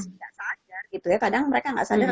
tidak sadar gitu ya kadang mereka nggak sadar